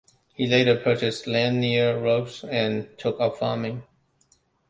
He later purchased land near Ross and took up farming.